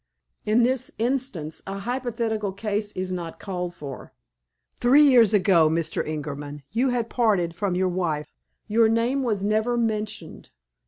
"In this instance a hypothetical case is not called for. Three years ago, Mr. Ingerman, you had parted from your wife. Your name was never mentioned.